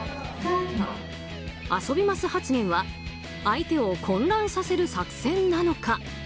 遊びます発言は相手を混乱させる作戦なのか。